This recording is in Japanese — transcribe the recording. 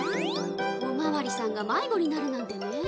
おまわりさんがまいごになるなんてね。